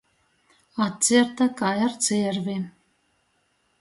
Atcierta kai ar ciervi.